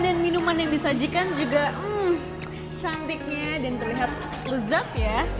dan minuman yang disajikan juga cantiknya dan terlihat lezat ya